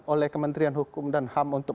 oleh kementerian hukum dan ham untuk